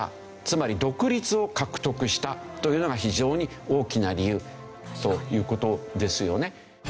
つまり独立を獲得したというのが非常に大きな理由という事ですよね。